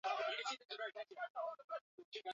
cha joto ulimwenguni Kadhalika zinapunguza kwa njia kubwa